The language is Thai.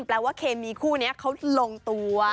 แปลว่าเคมีไปคู่เนี่ยเค้าลงตัว